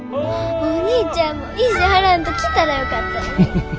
お兄ちゃんも意地張らんと来たらよかったのに。